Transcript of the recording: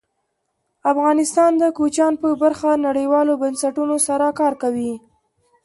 افغانستان د کوچیان په برخه کې نړیوالو بنسټونو سره کار کوي.